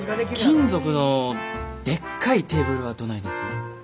金属のでっかいテーブルはどないです？